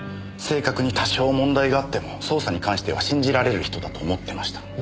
性格に多少問題があっても捜査に関しては信じられる人だと思ってました。